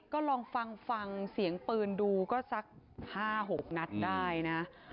ก็ลองฟังฟังเสียงปืนดูก็สัก๕๖นัดได้นะ